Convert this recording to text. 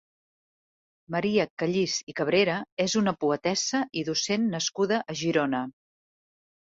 Maria Callís i Cabrera és una poetessa i docent nascuda a Girona.